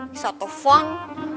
di satu phone